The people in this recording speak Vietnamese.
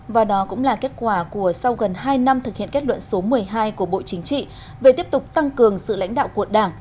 và đó cũng là kết quả của sau gần hai năm thực hiện kết luận số một mươi hai của bộ chính trị về tiếp tục tăng cường sự lãnh đạo của đảng